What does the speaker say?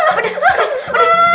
aduh pedas pedas pedas